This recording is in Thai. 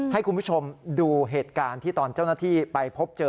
ให้คุณผู้ชมดูเหตุการณ์ที่ตอนเจ้าหน้าที่ไปพบเจอ